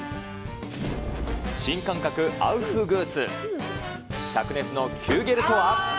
新感覚アウフグース、しゃく熱のキューゲルとは。